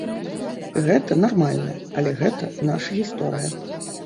Гэта нармальна, але гэта наша гісторыя.